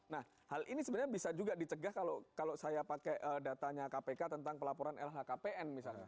nah hal ini sebenarnya bisa juga dicegah kalau saya pakai datanya kpk tentang pelaporan lhkpn misalnya